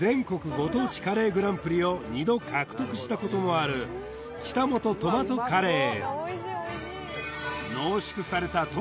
ご当地カレーグランプリを２度獲得したこともあるが使用されたキーマカレー